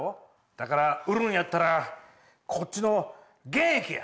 だから売るんやったらこっちの原液や！